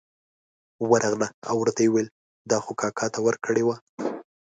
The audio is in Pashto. ورغله او ورته یې وویل دا خو کاکا ته ورکړې وه.